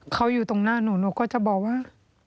เขาอยู่ตรงหน้าหนูหนูก็จะบอกว่า